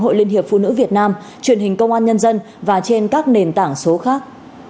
hội liên hiệp phụ nữ việt nam truyền hình công an nhân dân và trên các nền tảng số khác